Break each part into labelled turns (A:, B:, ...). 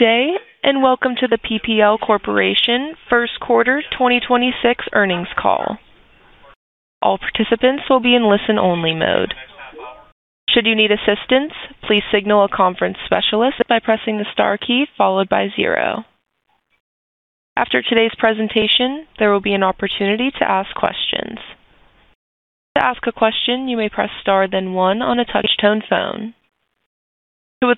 A: Day. Welcome to the PPL Corporation first quarter 2026 earnings call. I would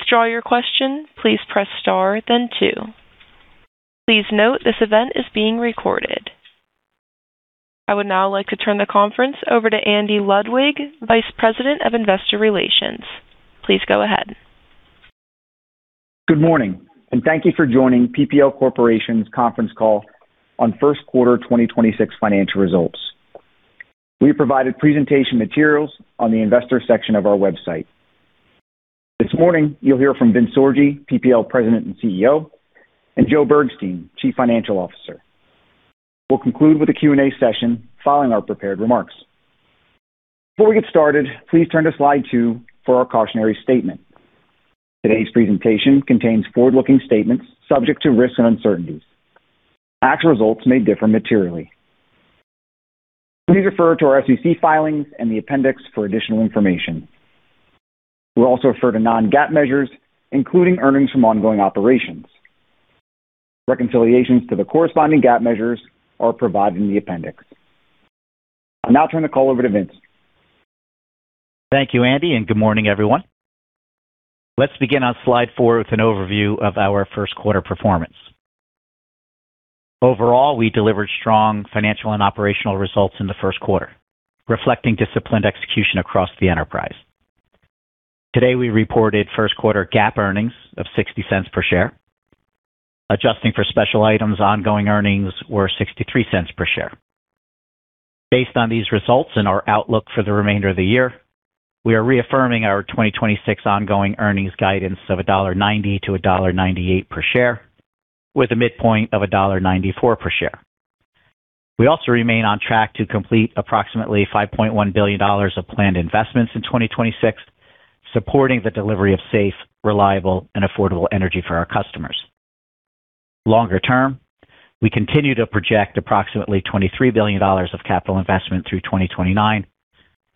A: now like to turn the conference over to Andy Ludwig, Vice President of Investor Relations. Please go ahead.
B: Good morning, and thank you for joining PPL Corporation's conference call on first quarter 2026 financial results. We provided presentation materials on the investor section of our website. This morning, you'll hear from Vince Sorgi, PPL President and CEO, and Joe Bergstein, Chief Financial Officer. We'll conclude with a Q&A session following our prepared remarks. Before we get started, please turn to slide two for our cautionary statement. Today's presentation contains forward-looking statements subject to risks and uncertainties. Actual results may differ materially. Please refer to our SEC filings in the appendix for additional information. We'll also refer to non-GAAP measures, including earnings from ongoing operations. Reconciliations to the corresponding GAAP measures are provided in the appendix. I'll now turn the call over to Vince.
C: Thank you, Andy, and good morning, everyone. Let's begin on slide four with an overview of our first quarter performance. Overall, we delivered strong financial and operational results in the first quarter, reflecting disciplined execution across the enterprise. Today, we reported first quarter GAAP earnings of $0.60 per share. Adjusting for special items, ongoing earnings were $0.63 per share. Based on these results and our outlook for the remainder of the year, we are reaffirming our 2026 ongoing earnings guidance of $1.90-$1.98 per share, with a midpoint of $1.94 per share. We also remain on track to complete approximately $5.1 billion of planned investments in 2026, supporting the delivery of safe, reliable, and affordable energy for our customers. Longer term, we continue to project approximately $23 billion of capital investment through 2029,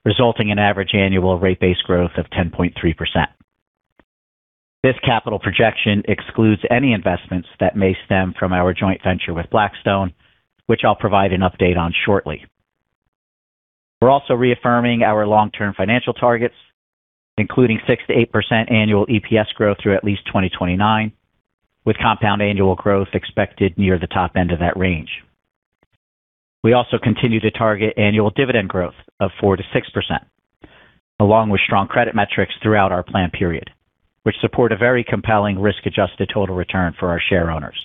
C: resulting in average annual rate base growth of 10.3%. This capital projection excludes any investments that may stem from our joint venture with Blackstone, which I'll provide an update on shortly. We're also reaffirming our long-term financial targets, including 6%-8% annual EPS growth through at least 2029, with compound annual growth expected near the top end of that range. We also continue to target annual dividend growth of 4%-6%, along with strong credit metrics throughout our plan period, which support a very compelling risk-adjusted total return for our share owners.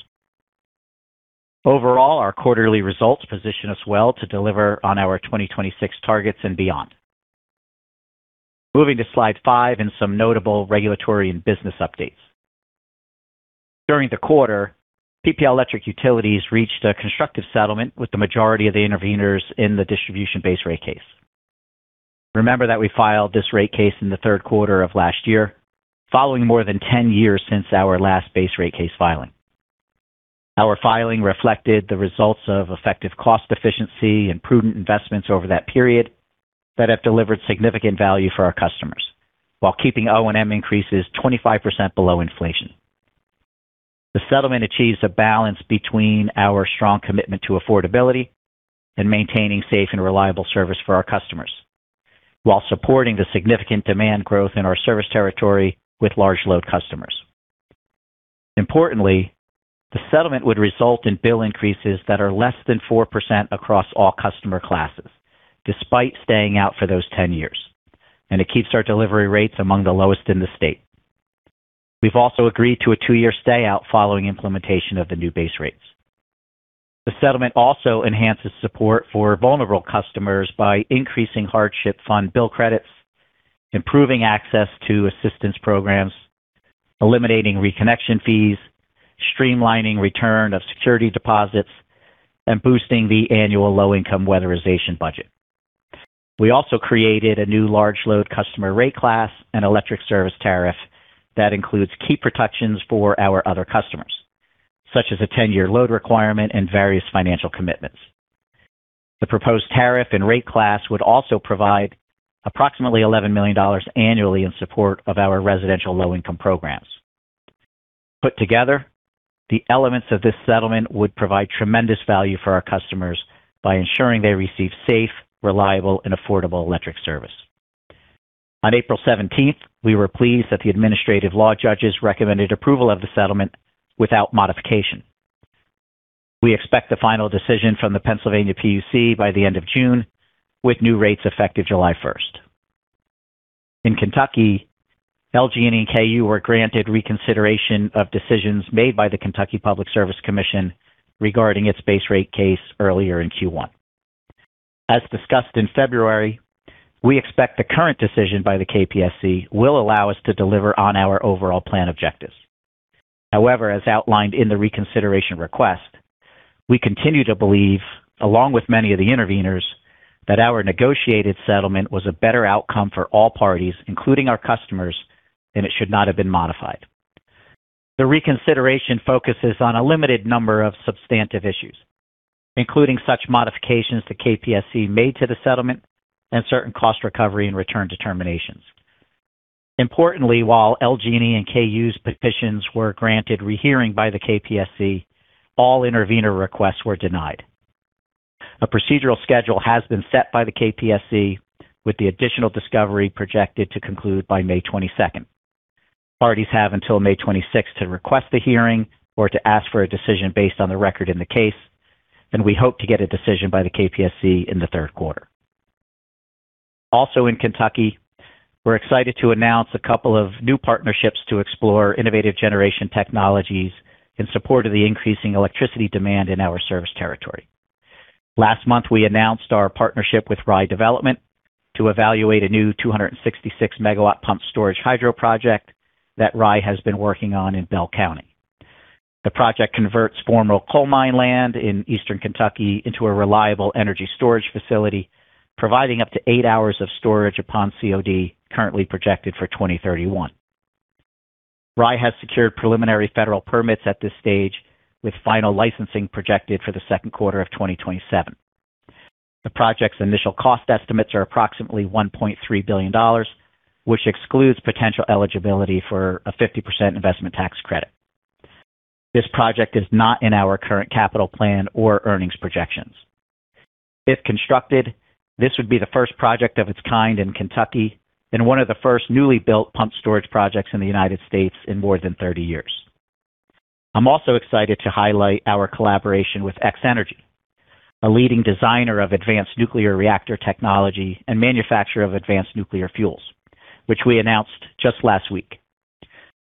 C: Overall, our quarterly results position us well to deliver on our 2026 targets and beyond. Moving to slide five and some notable regulatory and business updates. During the quarter, PPL Electric Utilities reached a constructive settlement with the majority of the interveners in the distribution base rate case. We filed this rate case in the third quarter of last year, following more than 10 years since our last base rate case filing. Our filing reflected the results of effective cost efficiency and prudent investments over that period that have delivered significant value for our customers while keeping O&M increases 25% below inflation. The settlement achieves a balance between our strong commitment to affordability and maintaining safe and reliable service for our customers while supporting the significant demand growth in our service territory with large load customers. Importantly, the settlement would result in bill increases that are less than 4% across all customer classes despite staying out for those 10 years, and it keeps our delivery rates among the lowest in the state. We've also agreed to a two-year stay out following implementation of the new base rates. The settlement also enhances support for vulnerable customers by increasing hardship fund bill credits, improving access to assistance programs, eliminating reconnection fees, streamlining return of security deposits, and boosting the annual low-income weatherization budget. We also created a new large load customer rate class and electric service tariff that includes key protections for our other customers, such as a 10-year load requirement and various financial commitments. The proposed tariff and rate class would also provide approximately $11 million annually in support of our residential low-income programs. Put together, the elements of this settlement would provide tremendous value for our customers by ensuring they receive safe, reliable, and affordable electric service. On April 17th, we were pleased that the administrative law judges recommended approval of the settlement without modification. We expect the final decision from the Pennsylvania PUC by the end of June, with new rates effective July 1st. In Kentucky, LG&E and KU were granted reconsideration of decisions made by the Kentucky Public Service Commission regarding its base rate case earlier in Q1. As discussed in February, we expect the current decision by the KPSC will allow us to deliver on our overall plan objectives. However, as outlined in the reconsideration request, we continue to believe, along with many of the interveners, that our negotiated settlement was a better outcome for all parties, including our customers, and it should not have been modified. The reconsideration focuses on a limited number of substantive issues, including such modifications the KPSC made to the settlement and certain cost recovery and return determinations. Importantly, while LG&E and KU's petitions were granted rehearing by the KPSC, all intervener requests were denied. A procedural schedule has been set by the KPSC, with the additional discovery projected to conclude by May 22nd. Parties have until May 26 to request a hearing or to ask for a decision based on the record in the case. We hope to get a decision by the KPSC in the third quarter. In Kentucky, we're excited to announce a couple of new partnerships to explore innovative generation technologies in support of the increasing electricity demand in our service territory. Last month, we announced our partnership with Rye Development to evaluate a new 266 MW pumped storage hydro project that Rye has been working on in Bell County. The project converts former coal mine land in Eastern Kentucky into a reliable energy storage facility, providing up to eight hours of storage upon COD, currently projected for 2031. Rye has secured preliminary federal permits at this stage, with final licensing projected for the second quarter of 2027. The project's initial cost estimates are approximately $1.3 billion, which excludes potential eligibility for a 50% investment tax credit. This project is not in our current capital plan or earnings projections. If constructed, this would be the first project of its kind in Kentucky and one of the first newly built pump storage projects in the United States in more than 30 years. I'm also excited to highlight our collaboration with X-energy, a leading designer of advanced nuclear reactor technology and manufacturer of advanced nuclear fuels, which we announced just last week.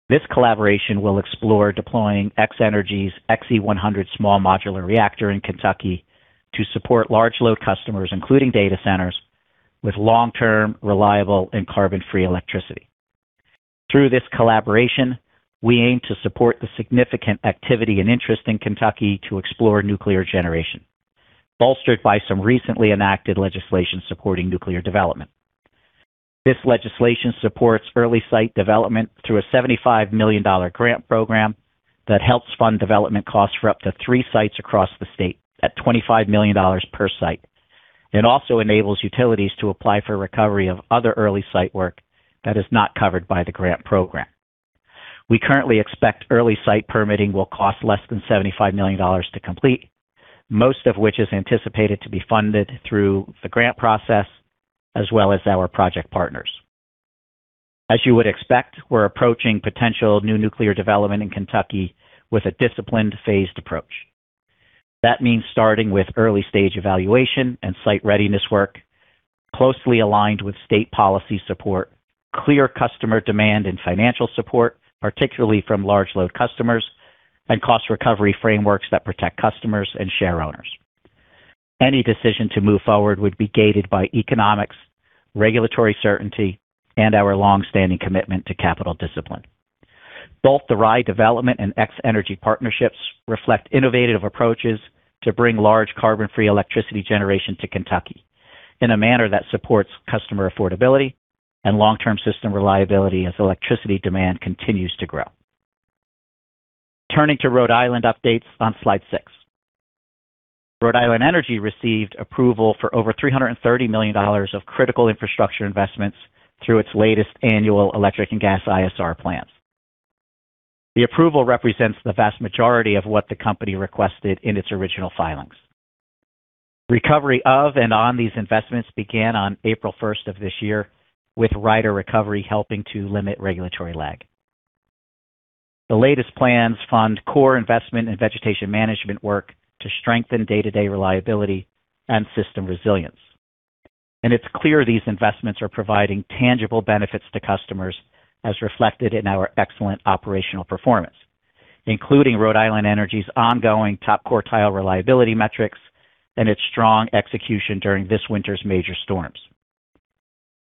C: This collaboration will explore deploying X-energy's Xe-100 small modular reactor in Kentucky to support large load customers, including data centers with long-term, reliable, and carbon-free electricity. Through this collaboration, we aim to support the significant activity and interest in Kentucky to explore nuclear generation, bolstered by some recently enacted legislation supporting nuclear development. This legislation supports early site development through a $75 million grant program that helps fund development costs for up to three sites across the state at $25 million per site. It also enables utilities to apply for recovery of other early site work that is not covered by the grant program. We currently expect early site permitting will cost less than $75 million to complete, most of which is anticipated to be funded through the grant process as well as our project partners. As you would expect, we're approaching potential new nuclear development in Kentucky with a disciplined, phased approach. That means starting with early-stage evaluation and site readiness work closely aligned with state policy support, clear customer demand and financial support, particularly from large load customers and cost recovery frameworks that protect customers and share owners. Any decision to move forward would be gated by economics, regulatory certainty, and our long-standing commitment to capital discipline. Both the Rye Development and X-energy partnerships reflect innovative approaches to bring large carbon-free electricity generation to Kentucky in a manner that supports customer affordability and long-term system reliability as electricity demand continues to grow. Turning to Rhode Island updates on slide 6. Rhode Island Energy received approval for over $330 million of critical infrastructure investments through its latest annual electric and gas ISR plans. The approval represents the vast majority of what the company requested in its original filings. Recovery of and on these investments began on April 1st of this year, with rider recovery helping to limit regulatory lag. The latest plans fund core investment and vegetation management work to strengthen day-to-day reliability and system resilience. It's clear these investments are providing tangible benefits to customers as reflected in our excellent operational performance, including Rhode Island Energy's ongoing top quartile reliability metrics and its strong execution during this winter's major storms.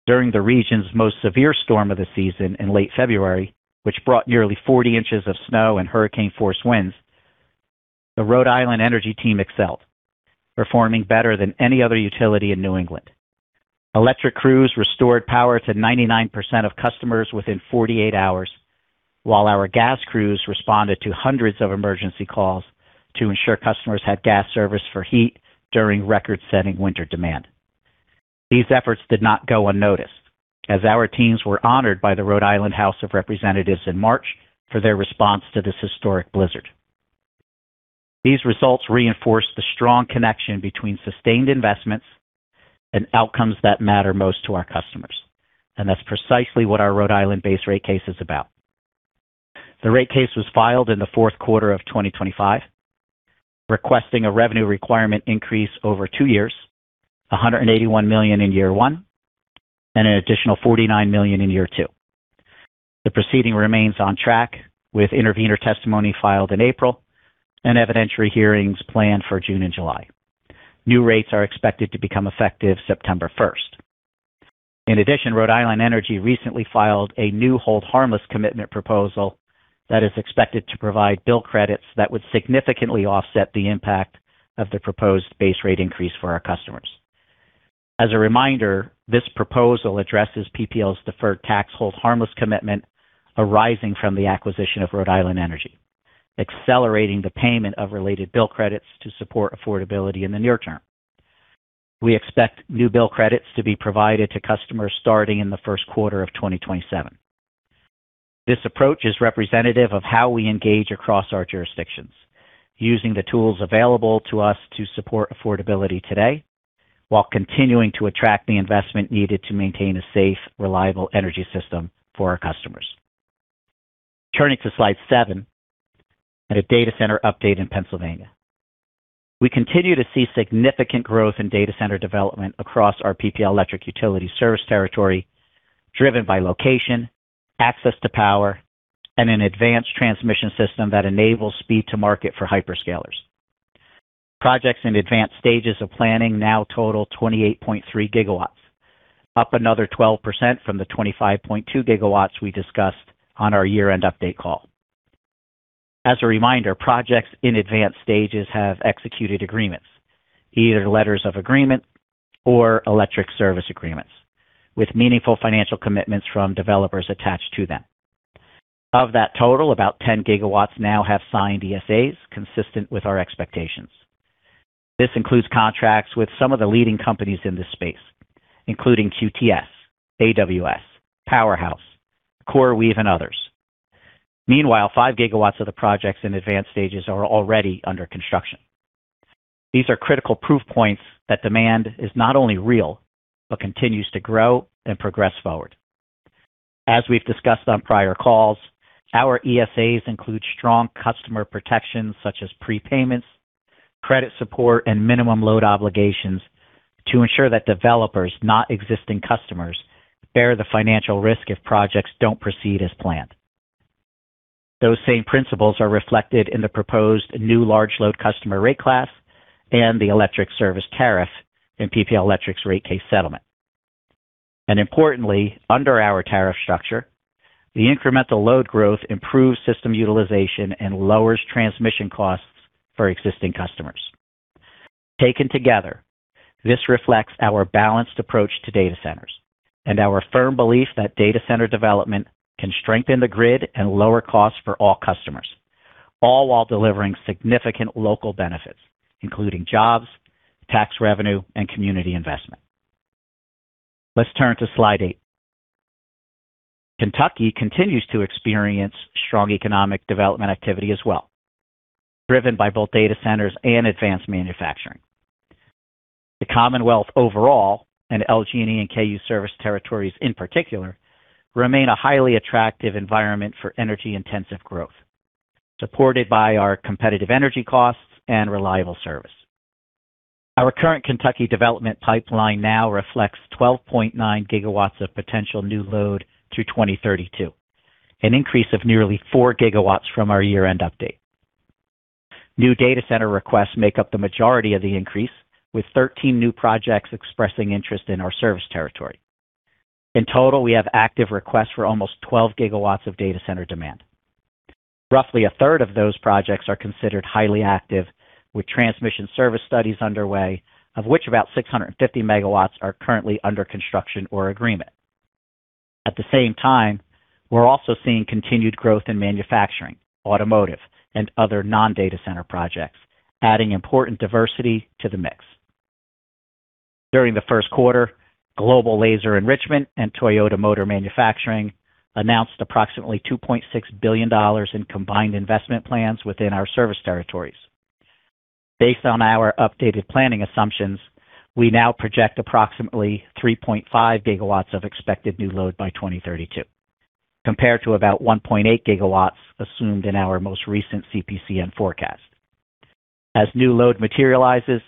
C: During the region's most severe storm of the season in late February, which brought nearly 40 in of snow and hurricane-force winds, the Rhode Island Energy team excelled, performing better than any other utility in New England. Electric crews restored power to 99% of customers within 48 hours, while our gas crews responded to hundreds of emergency calls to ensure customers had gas service for heat during record-setting winter demand. These efforts did not go unnoticed, as our teams were honored by the Rhode Island House of Representatives in March for their response to this historic blizzard. These results reinforce the strong connection between sustained investments and outcomes that matter most to our customers, and that's precisely what our Rhode Island base rate case is about. The rate case was filed in the fourth quarter of 2025, requesting a revenue requirement increase over two years, $181 million in year one and an additional $49 million in year two. The proceeding remains on track, with intervener testimony filed in April and evidentiary hearings planned for June and July. New rates are expected to become effective September 1st. In addition, Rhode Island Energy recently filed a new hold harmless commitment proposal that is expected to provide bill credits that would significantly offset the impact of the proposed base rate increase for our customers. As a reminder, this proposal addresses PPL's deferred tax hold harmless commitment arising from the acquisition of Rhode Island Energy, accelerating the payment of related bill credits to support affordability in the near term. We expect new bill credits to be provided to customers starting in the first quarter of 2027. This approach is representative of how we engage across our jurisdictions, using the tools available to us to support affordability today while continuing to attract the investment needed to maintain a safe, reliable energy system for our customers. Turning to slide seven and a data center update in Pennsylvania. We continue to see significant growth in data center development across our PPL Electric Utilities service territory, driven by location, access to power, and an advanced transmission system that enables speed to market for hyperscalers. Projects in advanced stages of planning now total 28.3 GW, up another 12% from the 25.2 GW we discussed on our year-end update call. As a reminder, projects in advanced stages have executed agreements, either letters of agreement or electric service agreements, with meaningful financial commitments from developers attached to them. Of that total, about 10 GW now have signed ESAs consistent with our expectations. This includes contracts with some of the leading companies in this space, including QTS, AWS, PowerHouse, CoreWeave, and others. Meanwhile, 5 GW of the projects in advanced stages are already under construction. These are critical proof points that demand is not only real but continues to grow and progress forward. As we've discussed on prior calls, our ESAs include strong customer protections such as prepayments, credit support, and minimum load obligations to ensure that developers, not existing customers, bear the financial risk if projects don't proceed as planned. Those same principles are reflected in the proposed new large load customer rate class and the electric service tariff in PPL Electric's rate case settlement. Importantly, under our tariff structure, the incremental load growth improves system utilization and lowers transmission costs for existing customers. Taken together, this reflects our balanced approach to data centers and our firm belief that data center development can strengthen the grid and lower costs for all customers, all while delivering significant local benefits, including jobs, tax revenue, and community investment. Let's turn to slide eight. Kentucky continues to experience strong economic development activity as well, driven by both data centers and advanced manufacturing. The Commonwealth overall, and LG&E and KU service territories in particular, remain a highly attractive environment for energy-intensive growth, supported by our competitive energy costs and reliable service. Our current Kentucky development pipeline now reflects 12.9 GW of potential new load through 2032, an increase of nearly 4 GW from our year-end update. New data center requests make up the majority of the increase, with 13 new projects expressing interest in our service territory. In total, we have active requests for almost 12 GW of data center demand. Roughly a third of those projects are considered highly active, with transmission service studies underway, of which about 650 MW are currently under construction or agreement. At the same time, we're also seeing continued growth in manufacturing, automotive, and other non-data center projects, adding important diversity to the mix. During the first quarter, Global Laser Enrichment and Toyota Motor Manufacturing announced approximately $2.6 billion in combined investment plans within our service territories. Based on our updated planning assumptions, we now project approximately 3.5 GW of expected new load by 2032, compared to about 1.8 GW assumed in our most recent CPCN forecast. As new load materializes,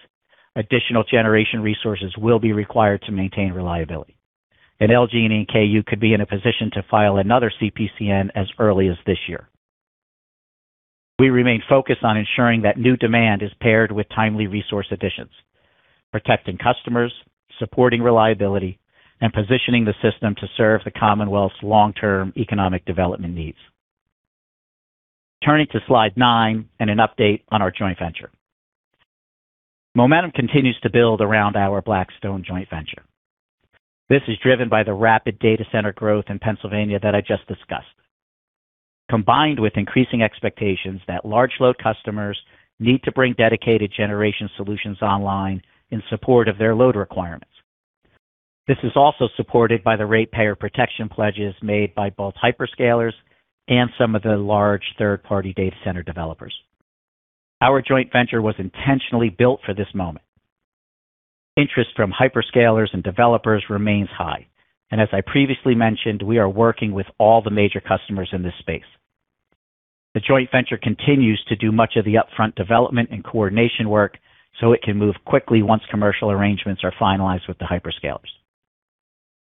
C: additional generation resources will be required to maintain reliability, and LG&E and KU could be in a position to file another CPCN as early as this year. We remain focused on ensuring that new demand is paired with timely resource additions, protecting customers, supporting reliability, and positioning the system to serve the Commonwealth's long-term economic development needs. Turning to slide nine and an update on our joint venture. Momentum continues to build around our Blackstone Joint Venture. This is driven by the rapid data center growth in Pennsylvania that I just discussed, combined with increasing expectations that large load customers need to bring dedicated generation solutions online in support of their load requirements. This is also supported by the Ratepayer Protection Pledges made by both hyperscalers and some of the large third-party data center developers. Our joint venture was intentionally built for this moment. Interest from hyperscalers and developers remains high, and as I previously mentioned, we are working with all the major customers in this space. The joint venture continues to do much of the upfront development and coordination work so it can move quickly once commercial arrangements are finalized with the hyperscalers.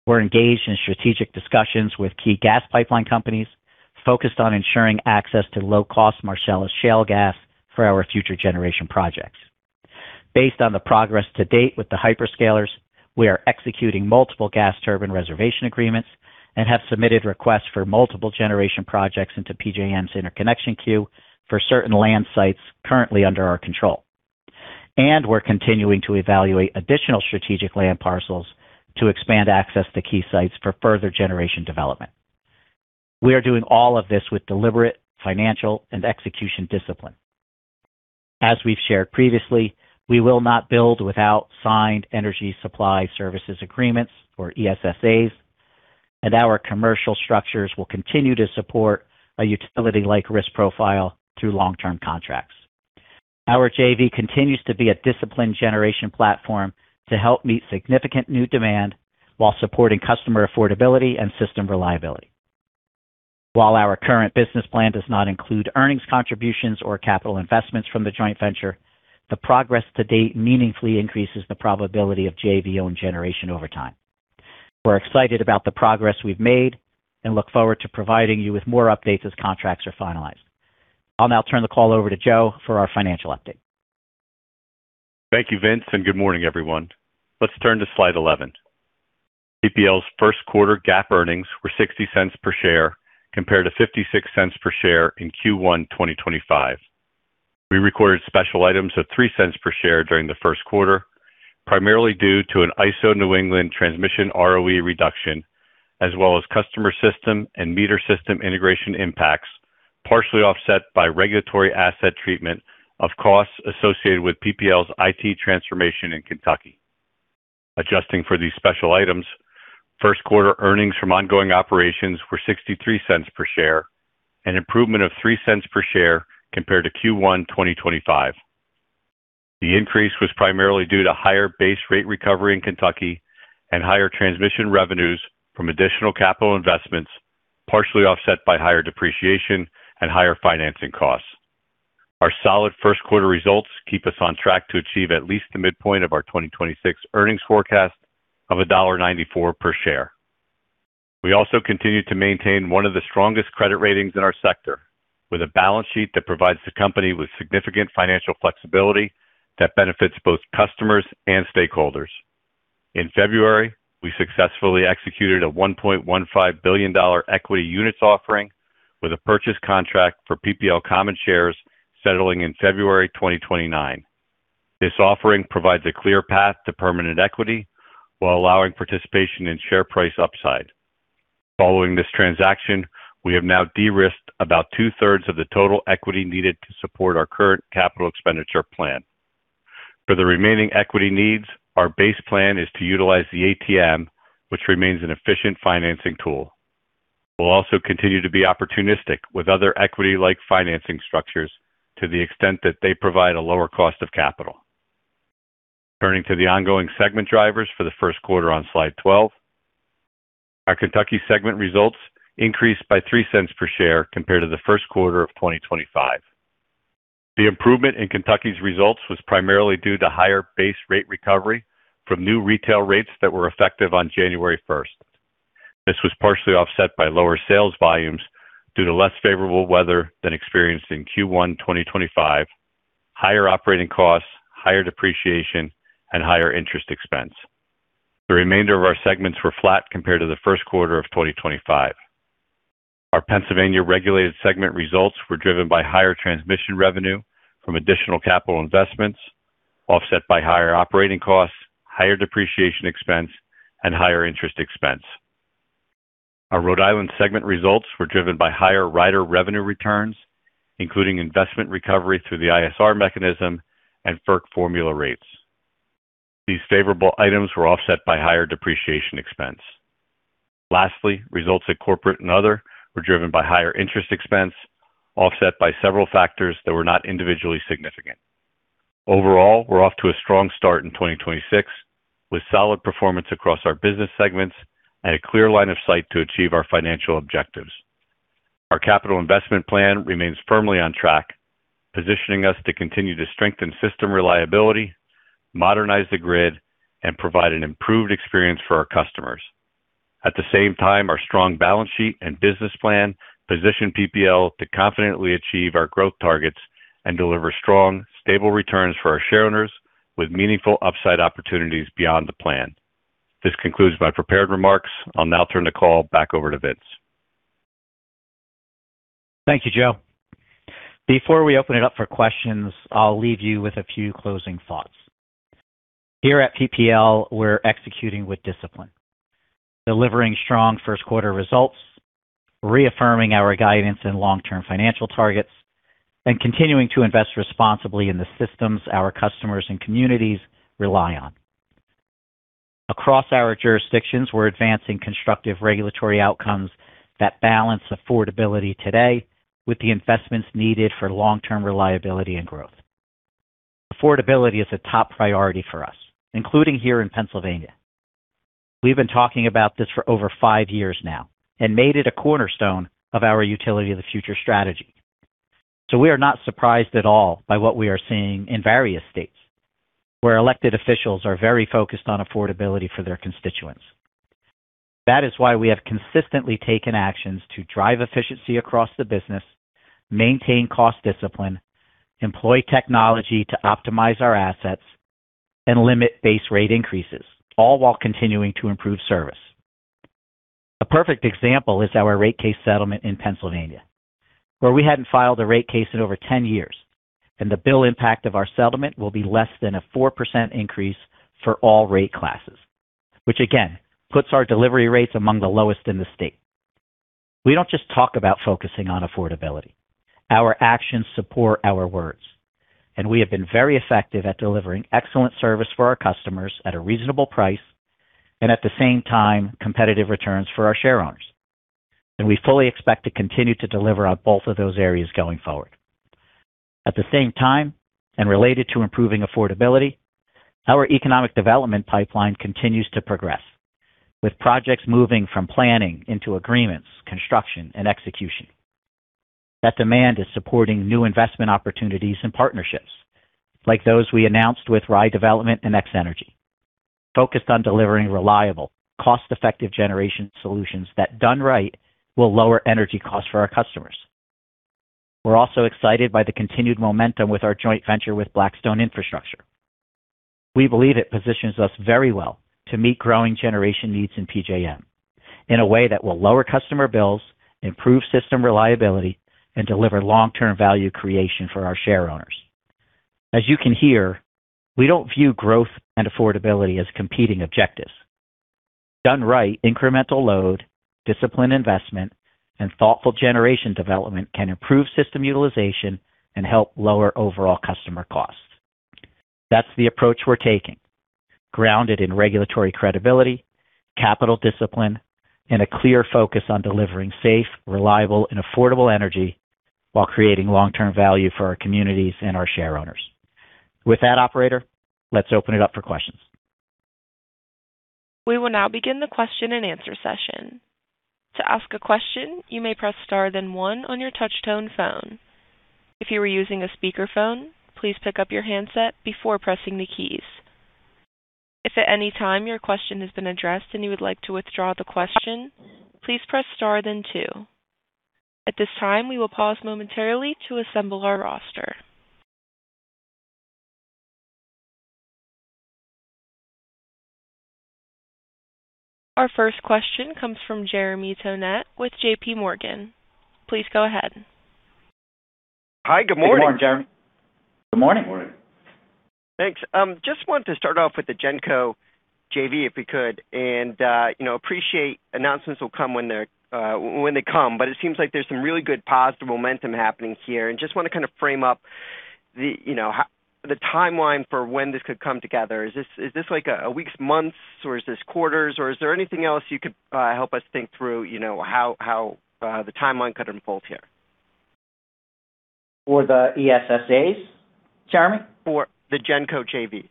C: We're engaged in strategic discussions with key gas pipeline companies focused on ensuring access to low-cost Marcellus Shale gas for our future generation projects. Based on the progress to date with the hyperscalers, we are executing multiple gas turbine reservation agreements and have submitted requests for multiple generation projects into PJM's interconnection queue for certain land sites currently under our control. We're continuing to evaluate additional strategic land parcels to expand access to key sites for further generation development. We are doing all of this with deliberate financial and execution discipline. As we've shared previously, we will not build without signed energy supply services agreements or ESSAs, and our commercial structures will continue to support a utility-like risk profile through long-term contracts. Our JV continues to be a disciplined generation platform to help meet significant new demand while supporting customer affordability and system reliability. While our current business plan does not include earnings contributions or capital investments from the joint venture, the progress to-date meaningfully increases the probability of JV-owned generation over time. We're excited about the progress we've made and look forward to providing you with more updates as contracts are finalized. I'll now turn the call over to Joe for our financial update.
D: Thank you, Vince. Good morning, everyone. Let's turn to slide 11. PPL's first quarter GAAP earnings were $0.60 per share, compared to $0.56 per share in Q1 2025. We recorded special items of $0.03 per share during the first quarter, primarily due to an ISO New England transmission ROE reduction, as well as customer system and meter system integration impacts, partially offset by regulatory asset treatment of costs associated with PPL's IT transformation in Kentucky. Adjusting for these special items, first quarter earnings from ongoing operations were $0.63 per share, an improvement of $0.03 per share compared to Q1 2025. The increase was primarily due to higher base rate recovery in Kentucky and higher transmission revenues from additional capital investments, partially offset by higher depreciation and higher financing costs. Our solid first quarter results keep us on track to achieve at least the midpoint of our 2026 earnings forecast of $1.94 per share. We also continue to maintain one of the strongest credit ratings in our sector, with a balance sheet that provides the company with significant financial flexibility that benefits both customers and stakeholders. In February, we successfully executed a $1.15 billion equity units offering with a purchase contract for PPL common shares settling in February 2029. This offering provides a clear path to permanent equity while allowing participation in share price upside. Following this transaction, we have now de-risked about two-thirds of the total equity needed to support our current capital expenditure plan. For the remaining equity needs, our base plan is to utilize the ATM, which remains an efficient financing tool. We'll also continue to be opportunistic with other equity-like financing structures to the extent that they provide a lower cost of capital. Turning to the ongoing segment drivers for the first quarter on slide 12. Our Kentucky segment results increased by $0.03 per share compared to the first quarter of 2025. The improvement in Kentucky's results was primarily due to higher base rate recovery from new retail rates that were effective on January 1. This was partially offset by lower sales volumes due to less favorable weather than experienced in Q1 2025, higher operating costs, higher depreciation, and higher interest expense. The remainder of our segments were flat compared to the first quarter of 2025. Our Pennsylvania regulated segment results were driven by higher transmission revenue from additional capital investments, offset by higher operating costs, higher depreciation expense, and higher interest expense. Our Rhode Island segment results were driven by higher rider revenue returns, including investment recovery through the ISR mechanism and FERC formula rates. These favorable items were offset by higher depreciation expense. Lastly, results at Corporate and Other were driven by higher interest expense, offset by several factors that were not individually significant. Overall, we're off to a strong start in 2026, with solid performance across our business segments and a clear line of sight to achieve our financial objectives. Our capital investment plan remains firmly on track, positioning us to continue to strengthen system reliability, modernize the grid, and provide an improved experience for our customers. At the same time, our strong balance sheet and business plan position PPL to confidently achieve our growth targets and deliver strong, stable returns for our shareowners with meaningful upside opportunities beyond the plan. This concludes my prepared remarks. I'll now turn the call back over to Vince.
C: Thank you, Joe. Before we open it up for questions, I'll leave you with a few closing thoughts. Here at PPL, we're executing with discipline, delivering strong first quarter results, reaffirming our guidance and long-term financial targets, and continuing to invest responsibly in the systems our customers and communities rely on. Across our jurisdictions, we're advancing constructive regulatory outcomes that balance affordability today with the investments needed for long-term reliability and growth. Affordability is a top priority for us, including here in Pennsylvania. We've been talking about this for over five years now and made it a cornerstone of our Utility of the Future strategy. We are not surprised at all by what we are seeing in various states where elected officials are very focused on affordability for their constituents. That is why we have consistently taken actions to drive efficiency across the business, maintain cost discipline, employ technology to optimize our assets, and limit base rate increases, all while continuing to improve service. A perfect example is our rate case settlement in Pennsylvania, where we hadn't filed a rate case in over 10 years, and the bill impact of our settlement will be less than a 4% increase for all rate classes, which again puts our delivery rates among the lowest in the state. We don't just talk about focusing on affordability. Our actions support our words, and we have been very effective at delivering excellent service for our customers at a reasonable price and at the same time, competitive returns for our shareowners. We fully expect to continue to deliver on both of those areas going forward. At the same time, and related to improving affordability, our economic development pipeline continues to progress, with projects moving from planning into agreements, construction and execution. That demand is supporting new investment opportunities and partnerships like those we announced with Rye Development and X-energy, focused on delivering reliable, cost-effective generation solutions that done right will lower energy costs for our customers. We're also excited by the continued momentum with our Joint Venture with Blackstone Infrastructure. We believe it positions us very well to meet growing generation needs in PJM in a way that will lower customer bills, improve system reliability, and deliver long-term value creation for our shareowners. As you can hear, we don't view growth and affordability as competing objectives. Done right, incremental load, disciplined investment, and thoughtful generation development can improve system utilization and help lower overall customer costs. That's the approach we're taking, grounded in regulatory credibility, capital discipline, and a clear focus on delivering safe, reliable, and affordable energy while creating long-term value for our communities and our shareowners. With that, operator, let's open it up for questions.
A: Our first question comes from Jeremy Tonet with JPMorgan. Please go ahead.
E: Hi. Good morning.
C: Good morning, Jeremy.
D: Good morning.
E: Thanks. Just wanted to start off with the GenCo JV, if we could. You know, appreciate announcements will come when they come. It seems like there's some really good positive momentum happening here. Just want to kind of frame up the, you know, how the timeline for when this could come together. Is this like a weeks, months, or is this quarters, or is there anything else you could help us think through, you know, how the timeline could unfold here?
C: For the ESSAs, Jeremy?
E: For the GenCo JV.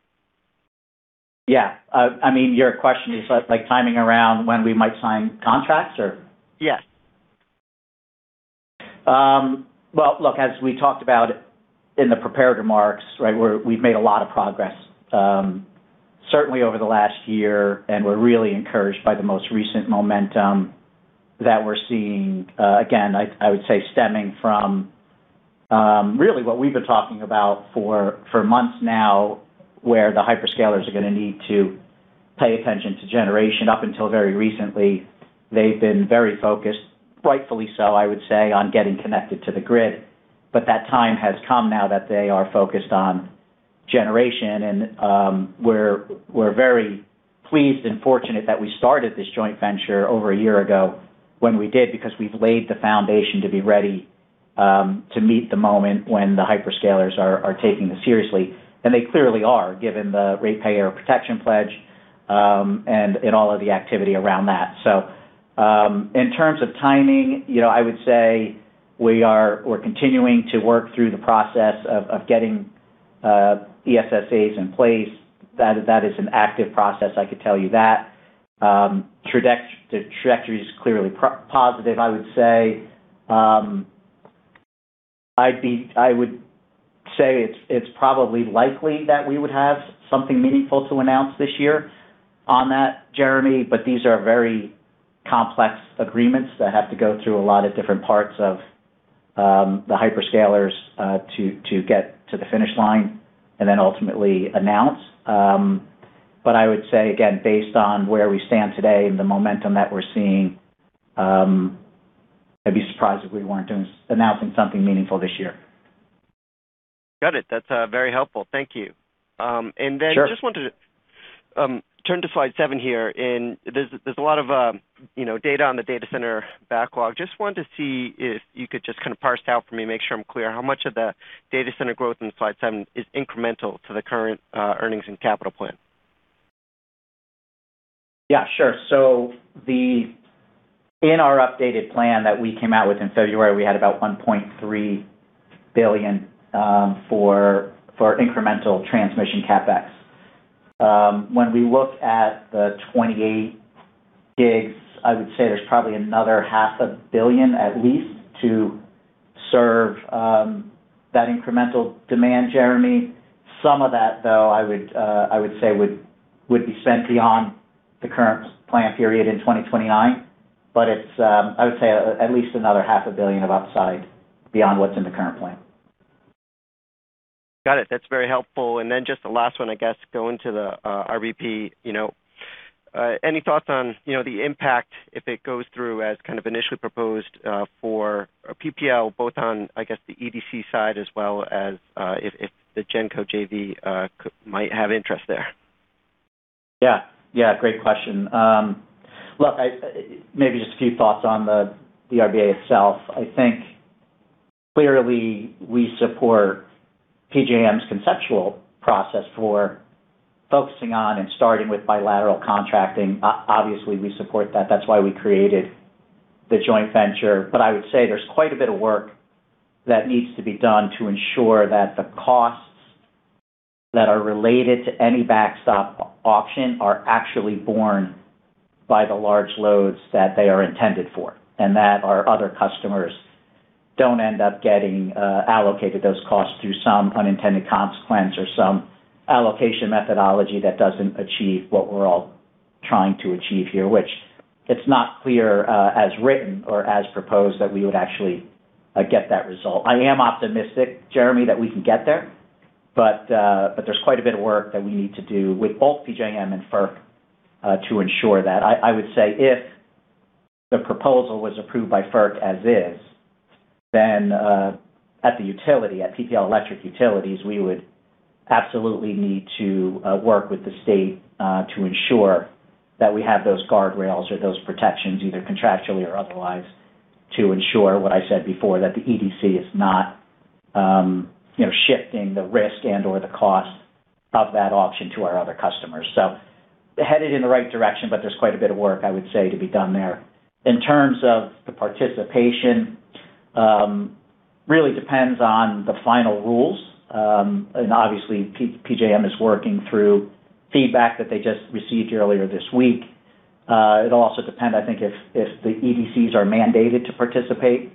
C: Yeah. I mean, your question is like timing around when we might sign contracts or?
E: Yes.
C: Well, look, as we talked about in the prepared remarks, right, we've made a lot of progress, certainly over the last year, and we're really encouraged by the most recent momentum that we're seeing, again, I would say stemming from really what we've been talking about for months now, where the hyperscalers are gonna need to pay attention to generation. Up until very recently, they've been very focused, rightfully so, I would say, on getting connected to the grid. That time has come now that they are focused on generation and we're very pleased and fortunate that we started this joint venture over a year ago when we did, because we've laid the foundation to be ready to meet the moment when the hyperscalers are taking this seriously. They clearly are, given the Ratepayer Protection Pledge, and in all of the activity around that. In terms of timing, you know, I would say we're continuing to work through the process of getting ESSAs in place. That is an active process, I could tell you that. The trajectory is clearly positive, I would say. I would say it's probably likely that we would have something meaningful to announce this year on that, Jeremy, but these are very complex agreements that have to go through a lot of different parts of the hyperscalers to get to the finish line and then ultimately announce. I would say, again, based on where we stand today and the momentum that we're seeing, I'd be surprised if we weren't announcing something meaningful this year.
E: Got it. That's very helpful. Thank you.
C: Sure.
E: I just wanted to turn to slide seven here. There's a lot of, you know, data on the data center backlog. Just wanted to see if you could just kind of parse out for me, make sure I'm clear, how much of the data center growth in slide seven is incremental to the current earnings and capital plan?
C: Yeah, sure. In our updated plan that we came out with in February, we had about $1.3 billion for incremental transmission CapEx. When we look at the 28 GW, I would say there's probably another half a billion at least to serve that incremental demand, Jeremy. Some of that though, I would say would be spent beyond the current plan period in 2029. It's I would say at least another half a billion of upside beyond what's in the current plan.
E: Got it. That's very helpful. Just the last one, I guess, going to the RBP, you know, any thoughts on, you know, the impact if it goes through as kind of initially proposed for PPL, both on, I guess, the EDC side as well as if the GenCo JV might have interest there?
C: Yeah. Yeah, great question. Look, maybe just a few thoughts on the ERBA itself. I think clearly we support PJM's conceptual process for focusing on and starting with bilateral contracting. Obviously, we support that. That's why we created the joint venture. I would say there's quite a bit of work that needs to be done to ensure that the costs that are related to any backstop auction are actually born by the large loads that they are intended for, and that our other customers don't end up getting allocated those costs through some unintended consequence or some allocation methodology that doesn't achieve what we're all trying to achieve here, which it's not clear as written or as proposed that we would actually get that result. I am optimistic, Jeremy, that we can get there's quite a bit of work that we need to do with both PJM and FERC to ensure that. I would say if the proposal was approved by FERC as is, at the utility, at PPL Electric Utilities, we would absolutely need to work with the state to ensure that we have those guardrails or those protections, either contractually or otherwise, to ensure what I said before, that the EDC is not, you know, shifting the risk and/or the cost of that auction to our other customers. Headed in the right direction, there's quite a bit of work, I would say, to be done there. In terms of the participation, really depends on the final rules. Obviously PJM is working through feedback that they just received earlier this week. It'll also depend, I think, if the EDCs are mandated to participate.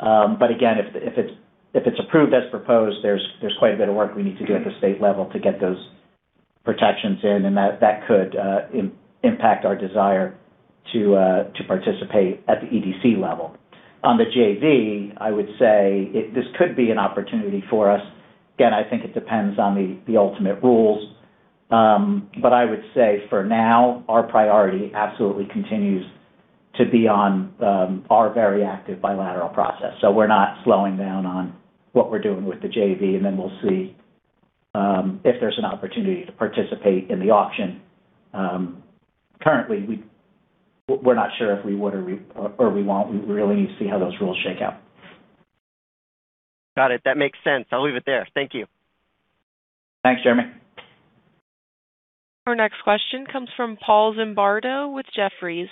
C: Again, if it's approved as proposed, there's quite a bit of work we need to do at the state level to get those protections in, and that could impact our desire to participate at the EDC level. On the JV, I would say this could be an opportunity for us. Again, I think it depends on the ultimate rules. I would say for now, our priority absolutely continues to be on our very active bilateral process. We're not slowing down on what we're doing with the JV, then we'll see if there's an opportunity to participate in the auction. Currently, we're not sure if we would or we won't. We really need to see how those rules shake out.
E: Got it. That makes sense. I'll leave it there. Thank you.
C: Thanks, Jeremy.
A: Our next question comes from Paul Zimbardo with Jefferies.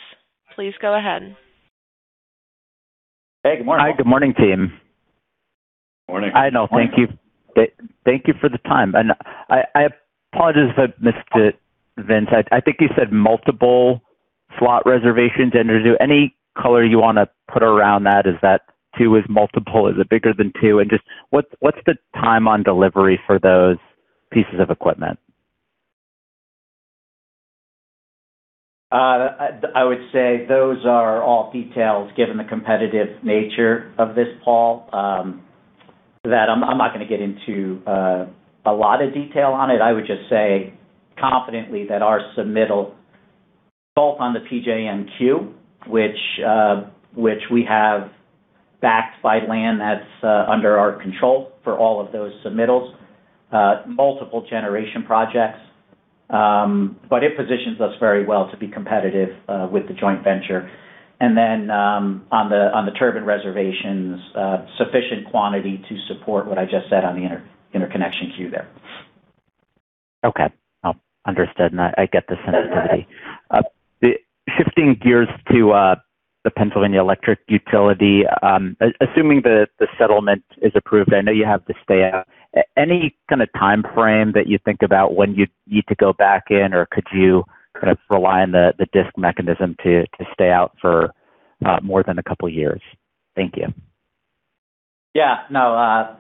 A: Please go ahead.
C: Hey, good morning.
F: Hi, good morning, team.
D: Morning.
F: I know. Thank you. Thank you for the time. I apologize if I missed it, Vince. I think you said multiple slot reservations. Is there any color you want to put around that? Is that two is multiple? Is it bigger than two? Just what's the time on delivery for those pieces of equipment?
C: I would say those are all details given the competitive nature of this, Paul, that I'm not gonna get into a lot of detail on it. I would just say confidently that our submittal both on the PJM queue, which we have backed by land that's under our control for all of those submittals, multiple generation projects, positions us very well to be competitive with the joint venture, and on the turbine reservations, sufficient quantity to support what I just said on the interconnection queue there.
F: Okay. No, understood. I get the sensitivity.
C: Okay.
F: Shifting gears to the Pennsylvania electric utility, assuming the settlement is approved, I know you have the stay out. Any kind of time frame that you think about when you need to go back in, or could you kind of rely on the DSIC mechanism to stay out for more than a couple years? Thank you.
C: No,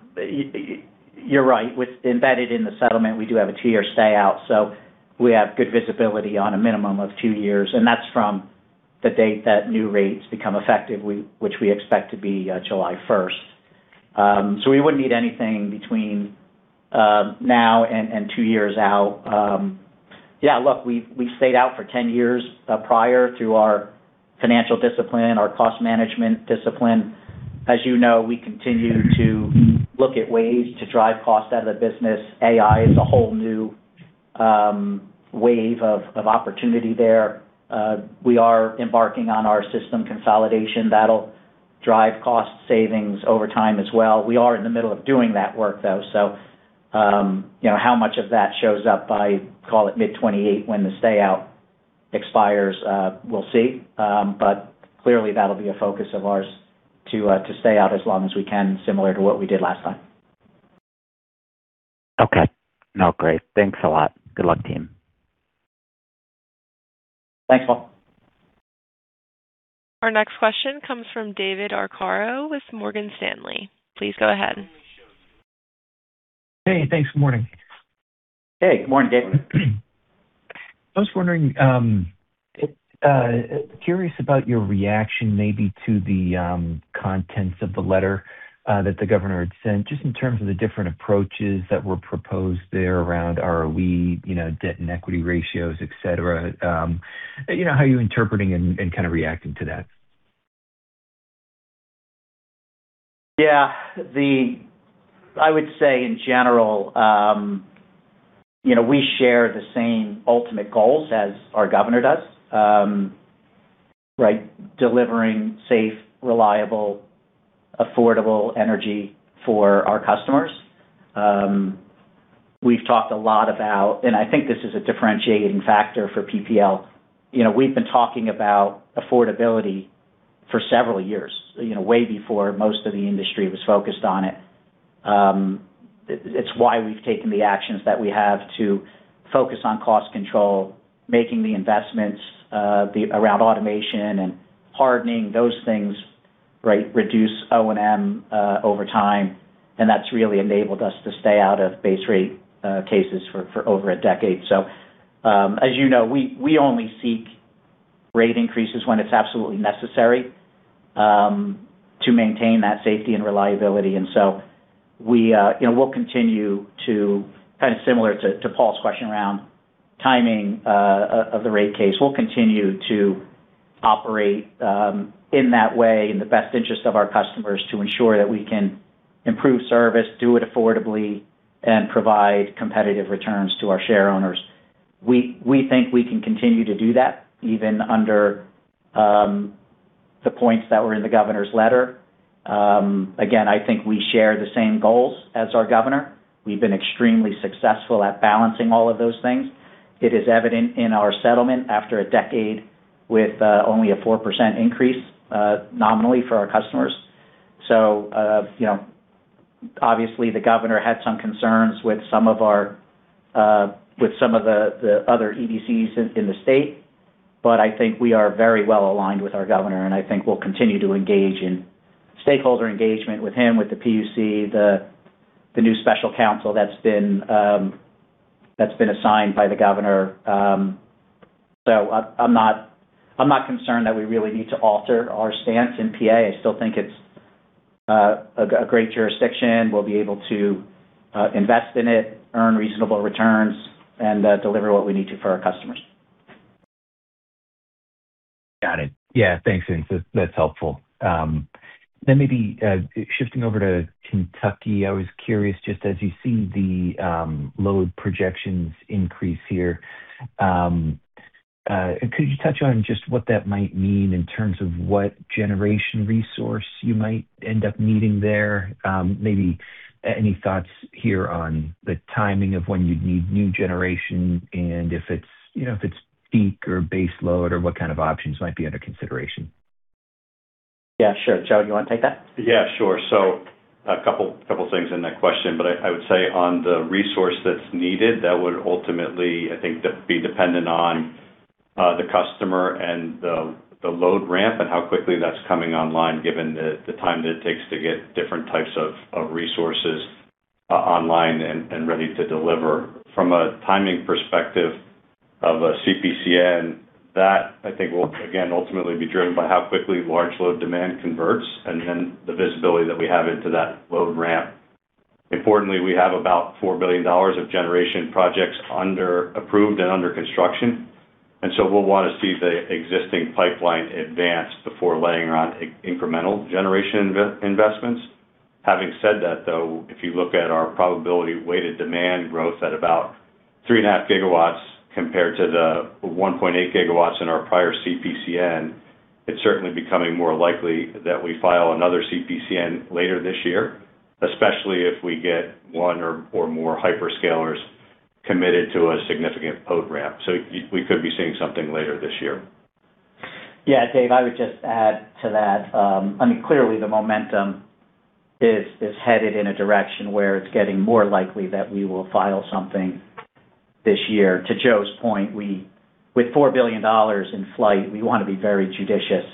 C: you're right. Embedded in the settlement, we do have a two-year stay out, so we have good visibility on a minimum of two years, and that's from the date that new rates become effective, which we expect to be July 1st. We wouldn't need anything between now and two years out. Look, we've stayed out for 10 years prior through our financial discipline, our cost management discipline. As you know, we continue to look at ways to drive costs out of the business. AI is a whole new wave of opportunity there. We are embarking on our system consolidation. That'll drive cost savings over time as well. We are in the middle of doing that work, though. You know, how much of that shows up by, call it, mid-2028 when the stay out expires, we'll see. Clearly that'll be a focus of ours to stay out as long as we can, similar to what we did last time.
F: No, great. Thanks a lot. Good luck, team.
C: Thanks, Paul.
A: Our next question comes from David Arcaro with Morgan Stanley. Please go ahead.
G: Hey, thanks. Morning.
C: Hey, good morning, David.
G: I was wondering, curious about your reaction maybe to the contents of the letter, that the Governor had sent, just in terms of the different approaches that were proposed there around ROE, you know, debt and equity ratios, et cetera. You know, how are you interpreting and kind of reacting to that?
C: Yeah. I would say in general, you know, we share the same ultimate goals as our Governor does. Right, delivering safe, reliable, affordable energy for our customers. We've talked a lot about, and I think this is a differentiating factor for PPL, you know, we've been talking about affordability for several years, you know, way before most of the industry was focused on it. It's why we've taken the actions that we have to focus on cost control, making the investments around automation and hardening those things, right, reduce O&M over time, and that's really enabled us to stay out of base rate cases for over a decade. As you know, we only seek rate increases when it's absolutely necessary to maintain that safety and reliability. We, you know, we'll continue to, kind of similar to Paul's question around timing, the rate case, we'll continue to operate in that way in the best interest of our customers to ensure that we can improve service, do it affordably, and provide competitive returns to our share owners. We think we can continue to do that even under the points that were in the governor's letter. Again, I think we share the same goals as our governor. We've been extremely successful at balancing all of those things. It is evident in our settlement after a decade with only a 4% increase, nominally for our customers. You know, obviously the governor had some concerns with some of our, with some of the other EDCs in the state. I think we are very well aligned with our governor, and I think we'll continue to engage in stakeholder engagement with him, with the PUC, the new special counsel that's been assigned by the governor. I'm not concerned that we really need to alter our stance in PA. I still think it's a great jurisdiction. We'll be able to invest in it, earn reasonable returns, and deliver what we need to for our customers.
G: Got it. Yeah. Thanks. That's helpful. Maybe shifting over to Kentucky, I was curious just as you see the load projections increase here, could you touch on just what that might mean in terms of what generation resource you might end up needing there? Maybe any thoughts here on the timing of when you'd need new generation and if it's, you know, if it's peak or base load or what kind of options might be under consideration?
C: Yeah, sure. Joe, you wanna take that?
D: Yeah, sure. A couple things in that question, but I would say on the resource that's needed, that would ultimately, I think that'd be dependent on the customer and the load ramp and how quickly that's coming online given the time that it takes to get different types of resources online and ready to deliver. From a timing perspective of a CPCN, that I think will again, ultimately be driven by how quickly large load demand converts and then the visibility that we have into that load ramp. Importantly, we have about $4 billion of generation projects under approved and under construction, and so we'll want to see the existing pipeline advance before laying around incremental generation investments. Having said that, though, if you look at our probability weighted demand growth at about 3.5 GW compared to the 1.8 GW in our prior CPCN, it's certainly becoming more likely that we file another CPCN later this year, especially if we get one or more hyperscalers committed to a significant load ramp. We could be seeing something later this year.
C: Yeah. Dave, I would just add to that, I mean, clearly the momentum is headed in a direction where it's getting more likely that we will file something this year. To Joe's point, with $4 billion in flight, we wanna be very judicious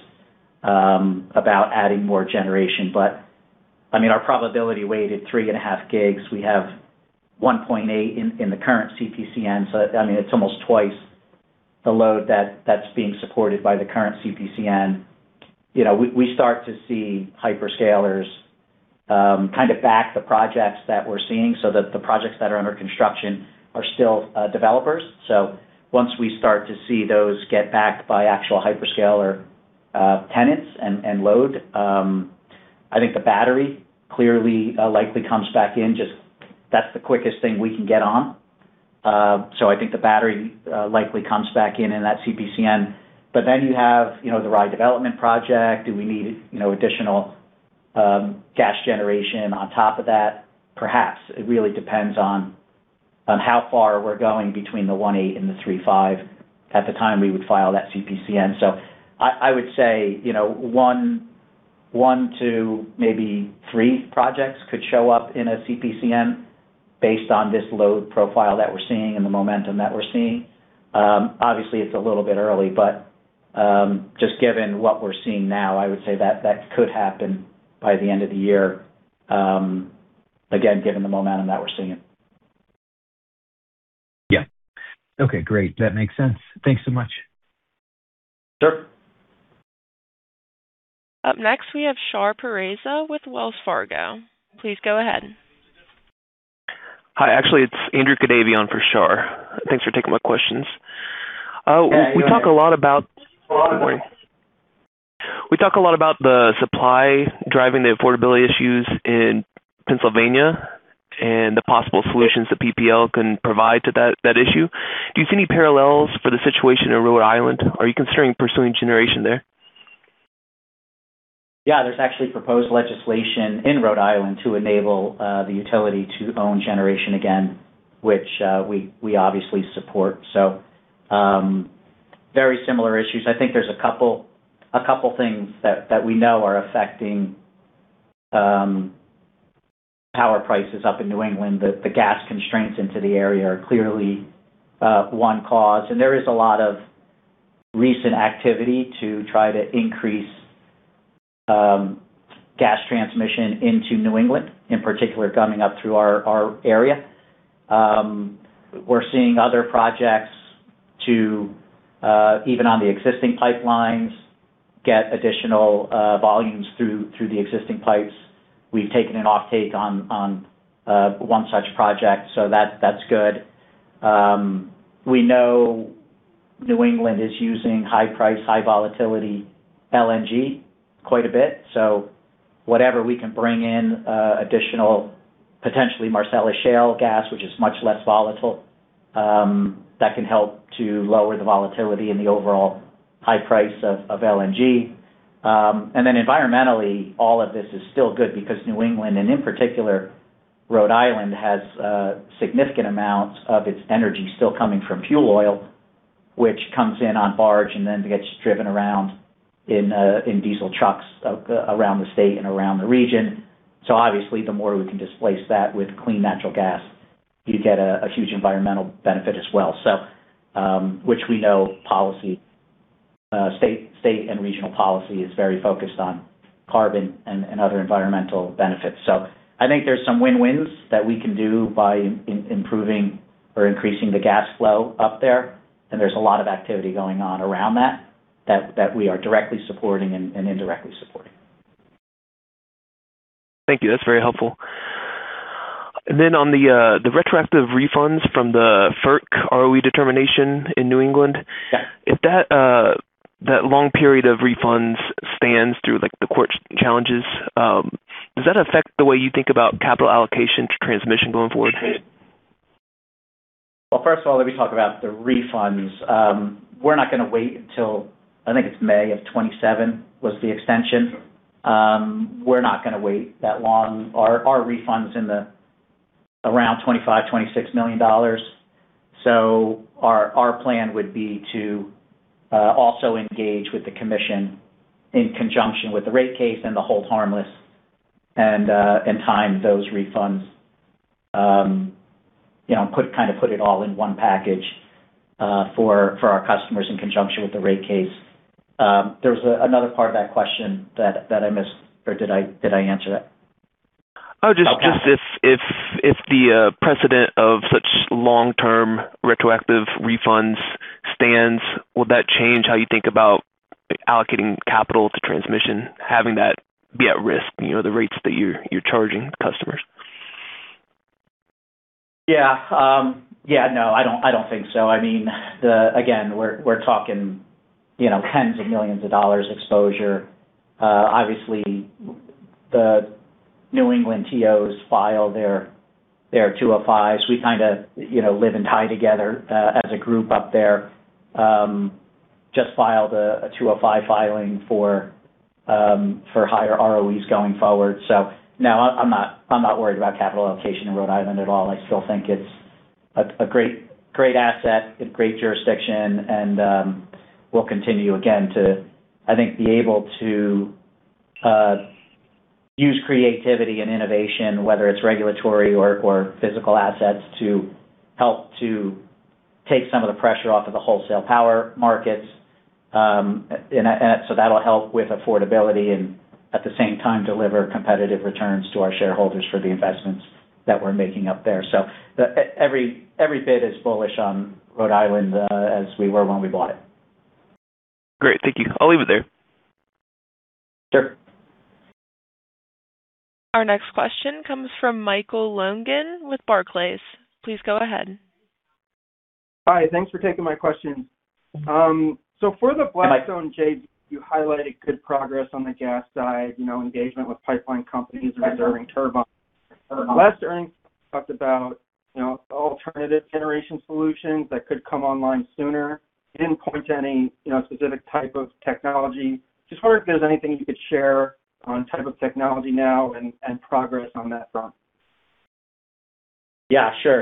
C: about adding more generation. I mean, our probability weighted 3.5 GW, we have 1.8 GW in the current CPCN, I mean, it's almost twice the load that's being supported by the current CPCN. You know, we start to see hyperscalers kind of back the projects that we're seeing so that the projects that are under construction are still developers. Once we start to see those get backed by actual hyperscaler, tenants and load, I think the battery clearly, likely comes back in just that's the quickest thing we can get on. I think the battery, likely comes back in in that CPCN. You have, you know, the Rye Development project. Do we need, you know, additional, gas generation on top of that? Perhaps. It really depends on how far we're going between the 1.8 GW and the 3.5 GW at the time we would file that CPCN. I would say, you know, one to maybe three projects could show up in a CPCN based on this load profile that we're seeing and the momentum that we're seeing. Obviously it's a little bit early, but, just given what we're seeing now, I would say that could happen by the end of the year, again, given the momentum that we're seeing.
G: Yeah. Okay, great. That makes sense. Thanks so much.
C: Sure.
A: Up next, we have Shar Pourreza with Wells Fargo. Please go ahead.
H: Hi. Actually, it's Andrew Kadavy for Shar. Thanks for taking my questions.
C: Yeah, you go ahead.
H: We talk a lot about.
C: Sorry.
H: We talk a lot about the supply driving the affordability issues in Pennsylvania and the possible solutions that PPL can provide to that issue. Do you see any parallels for the situation in Rhode Island? Are you considering pursuing generation there?
C: Yeah. There's actually proposed legislation in Rhode Island to enable the utility to own generation again, which we obviously support. Very similar issues. I think there's a couple things that we know are affecting power prices up in New England. The gas constraints into the area are clearly one cause. There is a lot of recent activity to try to increase gas transmission into New England, in particular coming up through our area. We're seeing other projects to even on the existing pipelines, get additional volumes through the existing pipes. We've taken an offtake on one such project, that's good. We know New England is using high price, high volatility LNG quite a bit. Whatever we can bring in, additional potentially Marcellus Shale gas, which is much less volatile, that can help to lower the volatility and the overall high price of LNG. And then environmentally, all of this is still good because New England, and in particular Rhode Island, has significant amounts of its energy still coming from fuel oil, which comes in on barge, and then gets driven around in diesel trucks around the state and around the region. Obviously the more we can displace that with clean natural gas, you get a huge environmental benefit as well. Which we know policy, state and regional policy is very focused on carbon and other environmental benefits. I think there's some win-wins that we can do by improving or increasing the gas flow up there, and there's a lot of activity going on around that we are directly supporting and indirectly supporting.
H: Thank you. That's very helpful. On the retroactive refunds from the FERC ROE determination in New England.
C: Yeah.
H: If that long period of refunds stands through, like, the court challenges, does that affect the way you think about capital allocation to transmission going forward?
C: Well, first of all, let me talk about the refunds. We're not gonna wait until, I think it's May of 2027 was the extension. We're not gonna wait that long. Our refund's in the around $25 million-$26 million. Our plan would be to also engage with the Commission in conjunction with the rate case and the hold harmless and time those refunds, you know, kind of put it all in one package for our customers in conjunction with the rate case. There was another part of that question that I missed, or did I answer that?
H: Oh.
C: Oh, got it.
H: Just if the precedent of such long-term retroactive refunds stands, would that change how you think about allocating capital to transmission, having that be at risk, you know, the rates that you're charging customers?
C: No, I don't think so. I mean, the, again, we're talking, you know, tens of millions of dollars exposure. Obviously the New England TOs file their 205s. We kind of, you know, live and die together as a group up there. Just filed a 205 filing for higher ROEs going forward. No, I'm not worried about capital allocation in Rhode Island at all. I still think it's a great asset, a great jurisdiction, and we'll continue again to, I think, be able to use creativity and innovation, whether it's regulatory or physical assets, to help to take some of the pressure off of the wholesale power markets. That'll help with affordability and at the same time deliver competitive returns to our shareholders for the investments that we're making up there. Every bit as bullish on Rhode Island as we were when we bought it.
H: Great. Thank you. I'll leave it there.
C: Sure.
A: Our next question comes from Michael Lonegan with Barclays. Please go ahead.
I: Hi. Thanks for taking my questions. For the Blackstone JV, you highlighted good progress on the gas side, you know, engagement with pipeline companies reserving turbine. Last earnings, you talked about, you know, alternative generation solutions that could come online sooner. You didn't point to any, you know, specific type of technology. I just wonder if there's anything you could share on type of technology now and progress on that front.
C: Yeah, sure.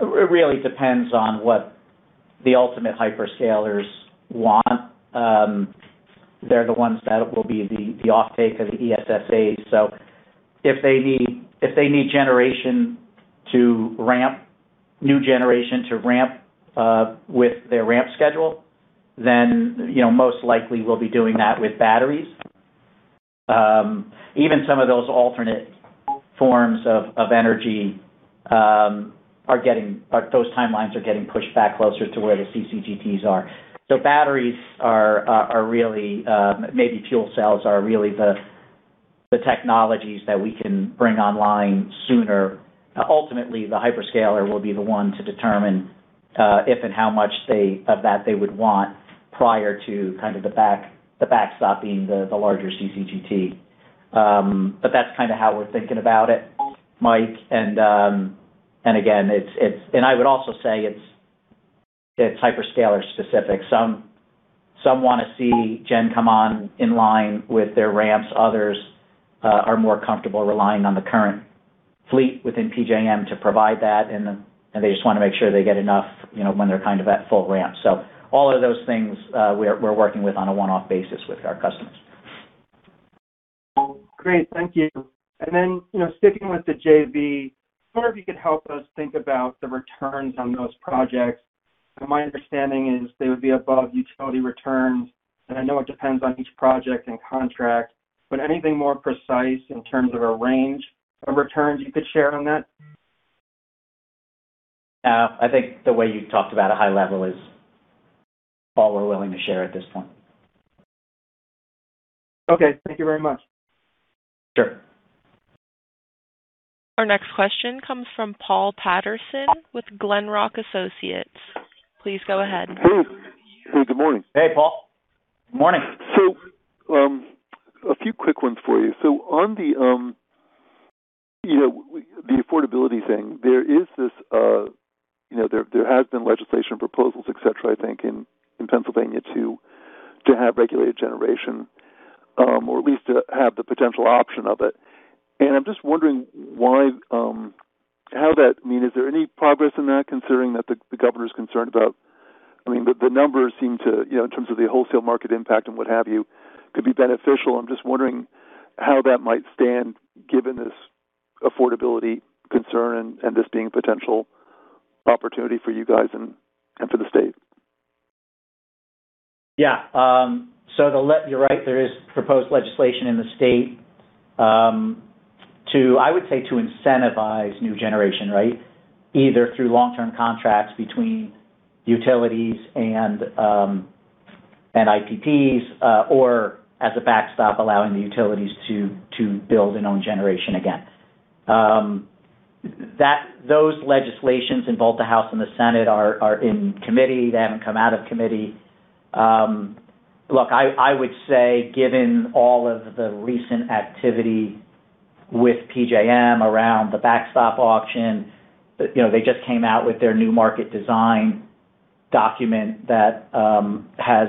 C: It really depends on what the ultimate hyperscalers want. They're the ones that will be the offtake of the ESSA. If they need generation to ramp, new generation to ramp, with their ramp schedule, then, you know, most likely we'll be doing that with batteries. Even some of those alternate forms of energy, those timelines are getting pushed back closer to where the CCGTs are. Batteries are really, maybe fuel cells are really the technologies that we can bring online sooner. Ultimately, the hyperscaler will be the one to determine if and how much of that they would want prior to kind of the backstop being the larger CCGT. But that's kind of how we're thinking about it, Mike. Again, I would also say it's hyperscaler specific. Some wanna see gen come on in line with their ramps. Others are more comfortable relying on the current fleet within PJM to provide that, and they just wanna make sure they get enough, you know, when they're kind of at full ramp. All of those things, we're working with on a one-off basis with our customers.
I: Great. Thank you. You know, sticking with the JV, wonder if you could help us think about the returns on those projects. My understanding is they would be above utility returns. I know it depends on each project and contract, but anything more precise in terms of a range of returns you could share on that?
C: I think the way you talked about it, high level, is all we're willing to share at this point.
I: Okay. Thank you very much.
C: Sure.
A: Our next question comes from Paul Patterson with Glenrock Associates. Please go ahead.
J: Hey. Hey, good morning.
C: Hey, Paul. Good morning.
J: A few quick ones for you. On the, you know, the affordability thing, there is this, you know, there has been legislation proposals, et cetera, I think in Pennsylvania to have regulated generation, or at least to have the potential option of it. I'm just wondering why, I mean, is there any progress in that, considering that the governor's concerned about I mean, the numbers seem to, you know, in terms of the wholesale market impact and what have you, could be beneficial. I'm just wondering how that might stand given this affordability concern and this being a potential opportunity for you guys and for the state.
C: Yeah. You're right, there is proposed legislation in the state to, I would say, to incentivize new generation, right? Either through long-term contracts between utilities and IPPs or as a backstop allowing the utilities to build and own generation again. Those legislations in both the House and the Senate are in committee. They haven't come out of committee. Look, I would say given all of the recent activity with PJM around the backstop auction, you know, they just came out with their new market design document that has,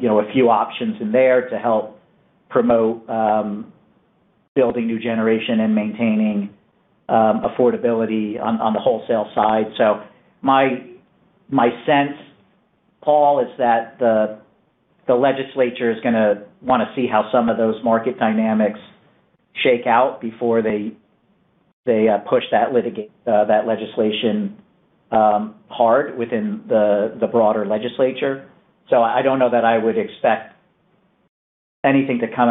C: you know, a few options in there to help promote building new generation and maintaining affordability on the wholesale side. My sense, Paul, is that the legislature is gonna wanna see how some of those market dynamics shake out before they push that legislation hard within the broader legislature. I don't know that I would expect anything to come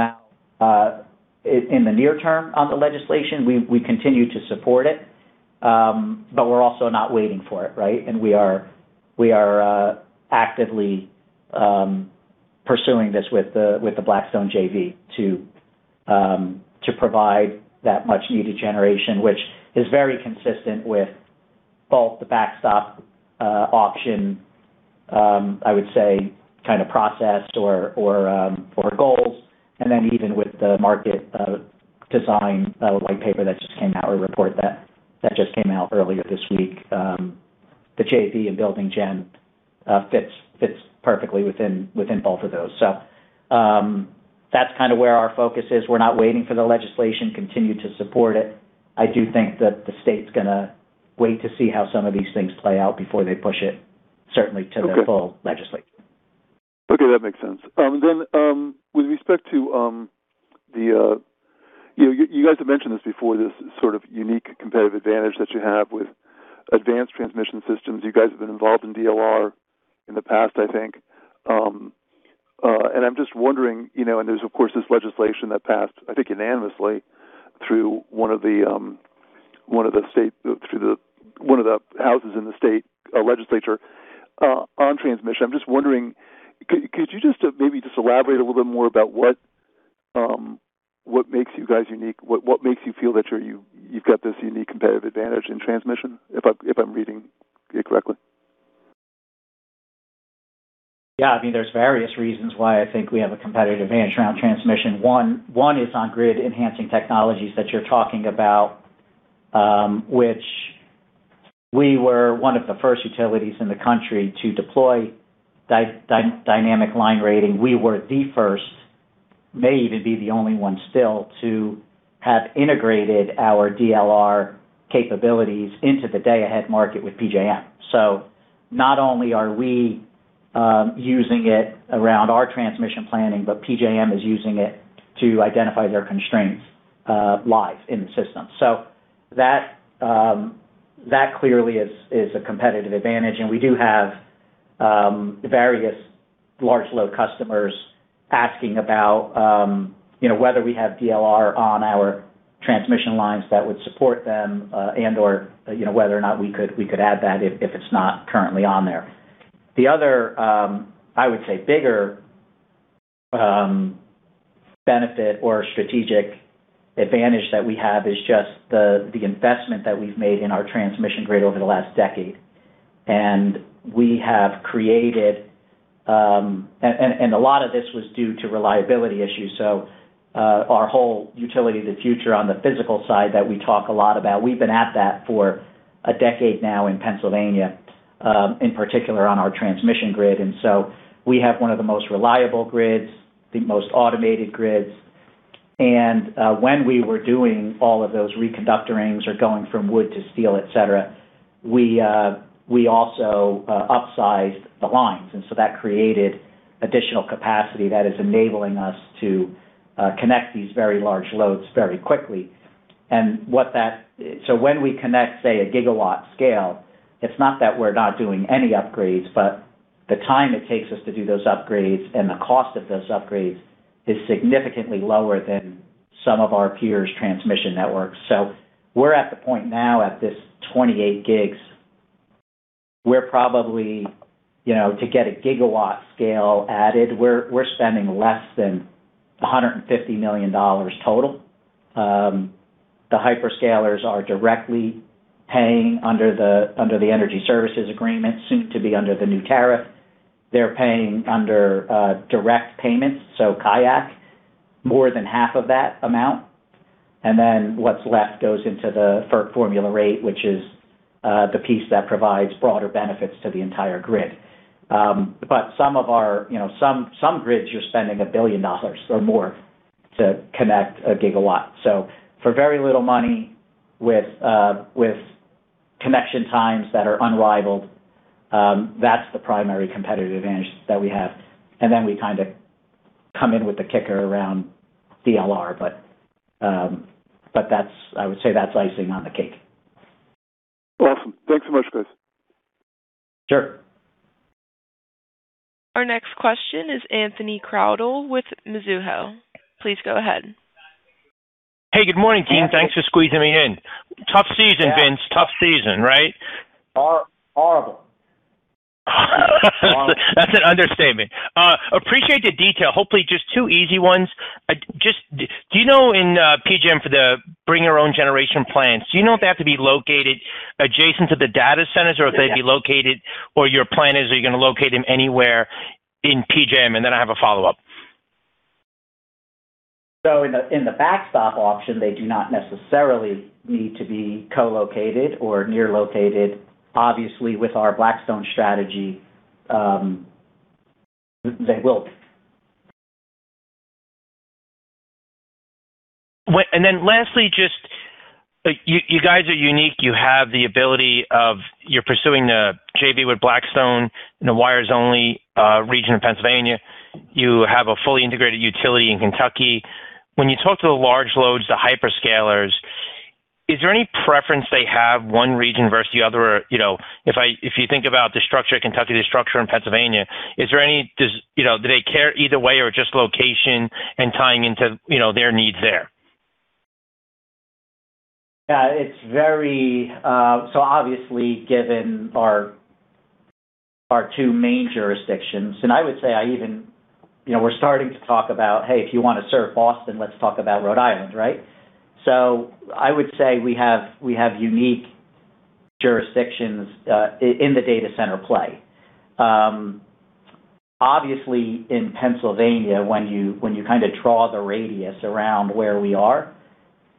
C: out in the near term on the legislation. We continue to support it, but we're also not waiting for it, right? We are actively pursuing this with the Blackstone JV to provide that much-needed generation, which is very consistent with both the backstop option, I would say kind of process or goals. Even with the market design white paper that just came out, or report that just came out earlier this week. The JV and building gen fits perfectly within both of those. That's kind of where our focus is. We're not waiting for the legislation. Continue to support it. I do think that the state's gonna wait to see how some of these things play out before they push it certainly to the full legislature.
J: Okay, that makes sense. With respect to you guys have mentioned this before, this sort of unique competitive advantage that you have with advanced transmission systems. You guys have been involved in DLR in the past, I think. I'm just wondering, you know, there's, of course, this legislation that passed, I think unanimously, through one of the houses in the state legislature on transmission. I'm just wondering, could you just maybe just elaborate a little bit more about what makes you guys unique? What makes you feel that you've got this unique competitive advantage in transmission, if I'm reading it correctly?
C: I mean, there's various reasons why I think we have a competitive advantage around transmission. One is on grid-enhancing technologies that you're talking about. We were one of the first utilities in the country to deploy dynamic line rating. We were the first, may even be the only one still, to have integrated our DLR capabilities into the day-ahead market with PJM. Not only are we using it around our transmission planning, but PJM is using it to identify their constraints live in the system. That clearly is a competitive advantage. We do have various large load customers asking about, you know, whether we have DLR on our transmission lines that would support them and/or, you know, whether or not we could add that if it's not currently on there. The other, I would say bigger, benefit or strategic advantage that we have is just the investment that we've made in our transmission grid over the last decade. A lot of this was due to reliability issues. Our whole Utility of the Future on the physical side that we talk a lot about, we've been at that for a decade now in Pennsylvania, in particular on our transmission grid. We have one of the most reliable grids, the most automated grids. When we were doing all of those reconductorings or going from wood to steel, et cetera, we also upsized the lines. That created additional capacity that is enabling us to connect these very large loads very quickly. When we connect, say, a gigawatt scale, it's not that we're not doing any upgrades, but the time it takes us to do those upgrades and the cost of those upgrades is significantly lower than some of our peers' transmission networks. We're at the point now at this 28 GW, we're probably to get a gigawatt scale added, we're spending less than $150 million total. The hyperscalers are directly paying under the Energy Services Agreement, soon to be under the new tariff. They're paying under direct payments, so CIAC, more than half of that amount. What's left goes into the FERC formula rate, which is the piece that provides broader benefits to the entire grid. Some of our, you know, some grids you're spending a billion dollar or more to connect 1 GW. For very little money with connection times that are unrivaled, that's the primary competitive advantage that we have. Then we kind of come in with the kicker around DLR. I would say that's icing on the cake.
J: Awesome. Thanks so much, guys.
C: Sure.
A: Our next question is Anthony Crowdell with Mizuho. Please go ahead.
K: Hey, good morning, team. Thanks for squeezing me in. Tough season, Vince. Tough season, right?
C: Hor-horrible.
K: That's an understatement. Appreciate the detail. Hopefully, just two easy ones. Do you know in PJM for the bring your own generation plants, do you know if they have to be located adjacent to the data centers, or your plan is, are you going to locate them anywhere in PJM? I have a follow-up.
C: In the, in the backstop option, they do not necessarily need to be co-located or near located. Obviously, with our Blackstone strategy, they will.
K: Lastly, just, you guys are unique. You have the ability of you're pursuing a JV with Blackstone in a wires-only region of Pennsylvania. You have a fully integrated utility in Kentucky. When you talk to the large loads, the hyperscalers, is there any preference they have one region versus the other? You know, if you think about the structure of Kentucky, the structure in Pennsylvania, is there any, you know, do they care either way or just location and tying into, you know, their needs there?
C: Yeah. It's very, obviously, given our two main jurisdictions, I would say I even, you know, we're starting to talk about, Hey, if you wanna serve Boston, let's talk about Rhode Island, right? I would say we have unique jurisdictions in the data center play. Obviously in Pennsylvania, when you kind of draw the radius around where we are,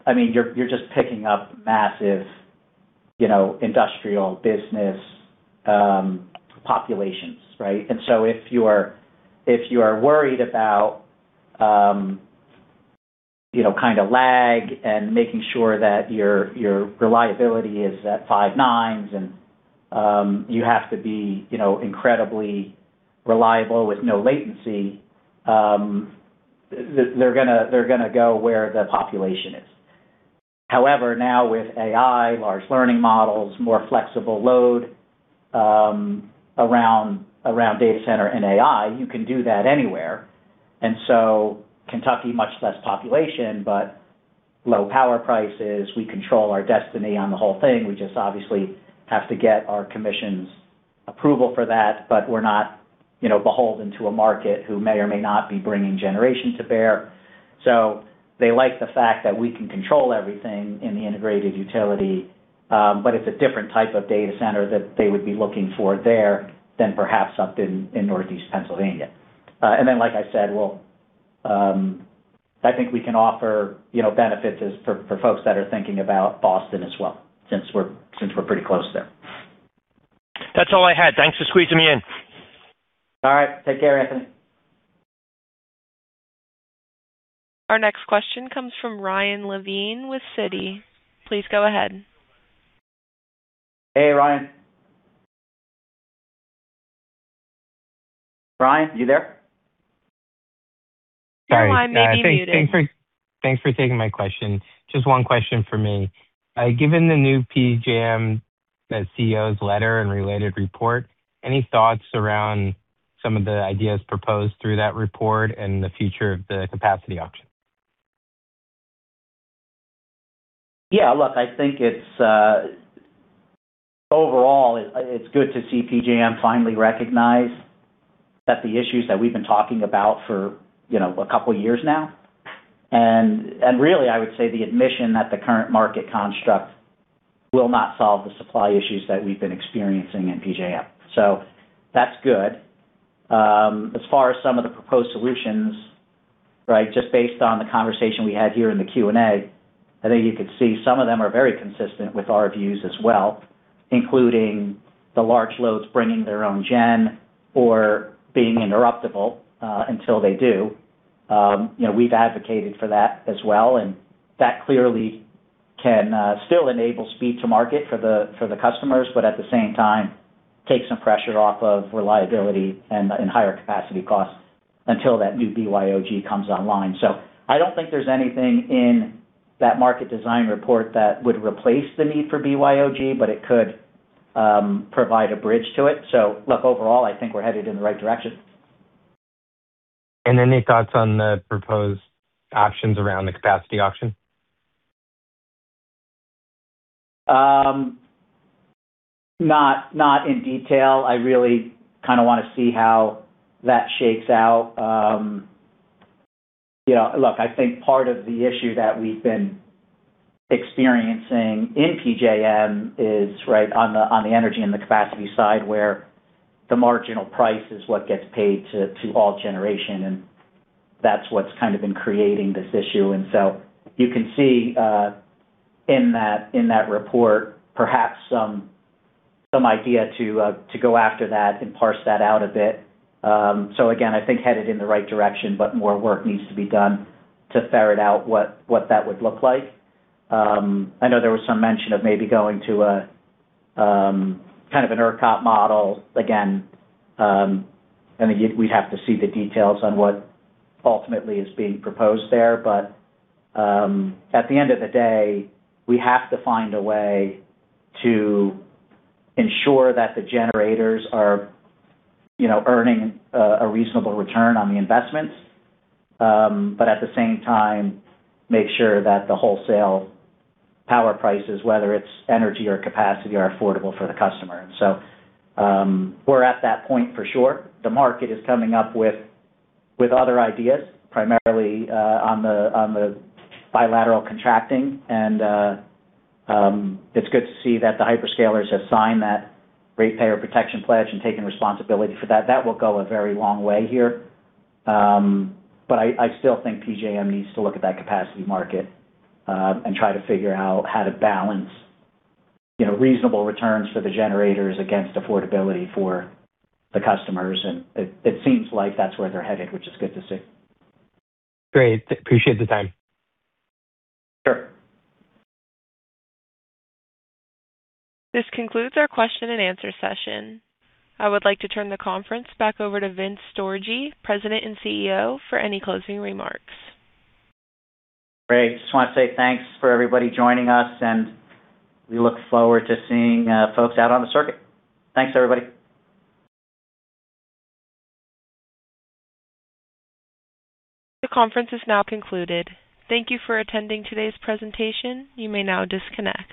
C: I mean, you're just picking up massive, you know, industrial business populations, right? If you are worried about, you know, kind of lag and making sure that your reliability is at 5 nines and, you have to be, you know, incredibly reliable with no latency, they're gonna go where the population is. Now with AI, large learning models, more flexible load, around data center and AI, you can do that anywhere. Kentucky, much less population, but low power prices. We control our destiny on the whole thing. We just obviously have to get our commission's approval for that. We're not, you know, beholden to a market who may or may not be bringing generation to bear. They like the fact that we can control everything in the integrated utility. It's a different type of data center that they would be looking for there than perhaps up in Northeast Pennsylvania. Like I said, I think we can offer, you know, benefits as, for folks that are thinking about Boston as well, since we're pretty close there.
K: That's all I had. Thanks for squeezing me in.
C: All right. Take care, Anthony.
A: Our next question comes from Ryan Levine with Citi. Please go ahead.
C: Hey, Ryan. Ryan, you there?
A: Your line may be muted.
L: Sorry. Yeah. Thanks, thanks for taking my question. Just one question from me. Given the new PJM, the CEO's letter and related report, any thoughts around some of the ideas proposed through that report and the future of the capacity auction?
C: Look, I think it's overall it's good to see PJM finally recognize that the issues that we've been talking about for, you know, a couple years now, and really I would say the admission that the current market construct will not solve the supply issues that we've been experiencing in PJM. That's good. As far as some of the proposed solutions, right, just based on the conversation we had here in the Q&A, I think you could see some of them are very consistent with our views as well, including the large loads bringing their own gen or being interruptible until they do. You know, we've advocated for that as well, that clearly can still enable speed to market for the customers, but at the same time, take some pressure off of reliability and higher capacity costs until that new BYOG comes online. I don't think there's anything in that market design report that would replace the need for BYOG, but it could provide a bridge to it. Look, overall, I think we're headed in the right direction.
L: Any thoughts on the proposed options around the capacity auction?
C: Not, not in detail. I really kind of want to see how that shakes out. You know, look, I think part of the issue that we've been experiencing in PJM is, right, on the, on the energy and the capacity side where the marginal price is what gets paid to all generation, and that's what's kind of been creating this issue. You can see in that, in that report perhaps some idea to go after that and parse that out a bit. So again, I think headed in the right direction, but more work needs to be done to ferret out what that would look like. I know there was some mention of maybe going to a kind of an ERCOT model. Again, I think we'd have to see the details on what ultimately is being proposed there. At the end of the day, we have to find a way to ensure that the generators are, you know, earning a reasonable return on the investments, but at the same time, make sure that the wholesale power prices, whether it's energy or capacity, are affordable for the customer. We're at that point for sure. The market is coming up with other ideas, primarily on the bilateral contracting and it's good to see that the hyperscalers have signed that Ratepayer Protection Pledge and taken responsibility for that. That will go a very long way here. I still think PJM needs to look at that capacity market and try to figure out how to balance, you know, reasonable returns for the generators against affordability for the customers. It seems like that's where they're headed, which is good to see.
L: Great. Appreciate the time.
C: Sure.
A: This concludes our question and answer session. I would like to turn the conference back over to Vince Sorgi, President and CEO, for any closing remarks.
C: Great. Just wanna say thanks for everybody joining us. We look forward to seeing folks out on the circuit. Thanks, everybody.
A: The conference is now concluded. Thank you for attending today's presentation. You may now disconnect.